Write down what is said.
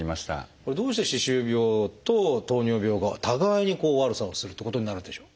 どうして歯周病と糖尿病が互いに悪さをするってことになるんでしょう？